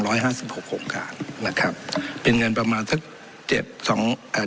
ห้าสิบหกโครงการนะครับเป็นเงินประมาณสักเจ็ดสองอ่า